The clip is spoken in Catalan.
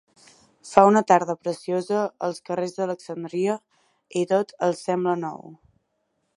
Fa una tarda preciosa als carrers d'Alexandria i tot els sembla nou.